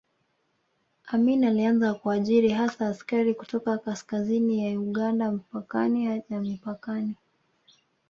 Amin alianza kuajiri hasa askari kutoka kaskazini ya Uganda mpakani na mipakani